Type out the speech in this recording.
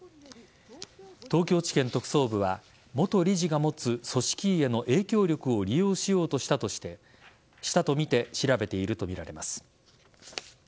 東京地検特捜部は元理事が持つ組織委への影響力を利用しようとしたとして調べているものとみられます。